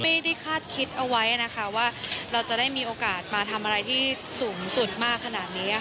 ไม่ได้คาดคิดเอาไว้นะคะว่าเราจะได้มีโอกาสมาทำอะไรที่สูงสุดมากขนาดนี้